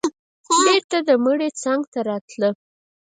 بېرته د مړي څنگ ته راتله.